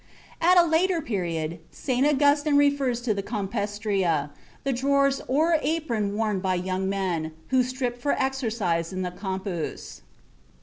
At a later period, St. Augustine refers to the compestria, the drawers or apron worn by young men who stripped for exercise in the campus.